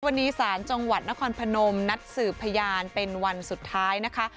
วันนี้ศาลจังหวัดนครพนมนัดสืบพยานเป็นวันสุดท้ายนะคะ